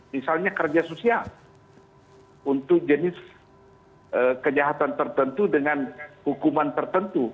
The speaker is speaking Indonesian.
misalnya kerja sosial untuk jenis kejahatan tertentu